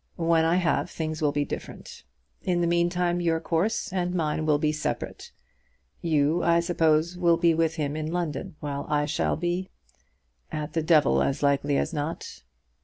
When I have, things will be different. In the meantime your course and mine will be separate. You, I suppose, will be with him in London, while I shall be, at the devil as likely as not."